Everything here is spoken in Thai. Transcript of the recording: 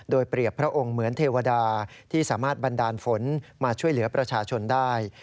โดยเปรียบพระองค์เหมือนเทวดาที่สามารถบันดาลฝนมาช่วยเหลือประชาชนได้